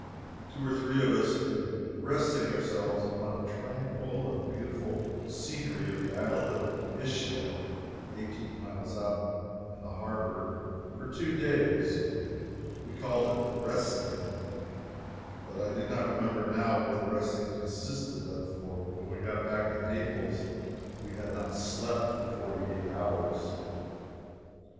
Two or three of us had been resting ourselves among the tranquil and beautiful scenery of the island of Ischia, eighteen miles out in the harbor, for two days; we called it "resting," but I do not remember now what the resting consisted of, for when we got back to Naples we had not slept for forty eight hours.